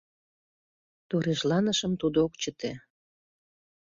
Торешланышым тудо ок чыте.